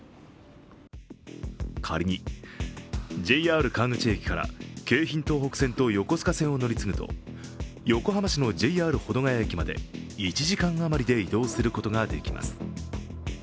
仮に、ＪＲ川口駅から京浜東北線と横須賀線を乗り継ぐと横浜市のＪＲ保土ケ谷駅まで１時間余りで移動することができます。